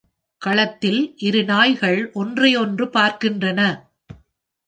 களத்தில் இரு நாய்கள் ஒன்றையொன்று பார்க்கின்றன.